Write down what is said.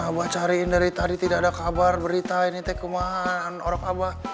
abah cariin dari tadi tidak ada kabar berita ini teh kemahan orang abah